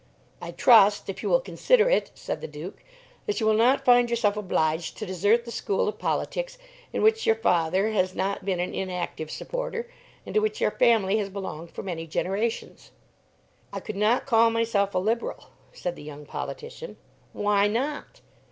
"I trust, if you will consider it," said the Duke, "that you will not find yourself obliged to desert the school of politics in which your father has not been an inactive supporter, and to which your family has belonged for many generations." "I could not call myself a Liberal," said the young politician. "Why not?"